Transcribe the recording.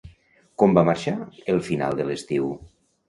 Com va marxar el final de l'estiu?